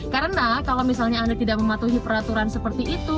karena kalau misalnya anda tidak mematuhi peraturan seperti itu